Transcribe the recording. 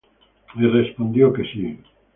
Y respondió que sí.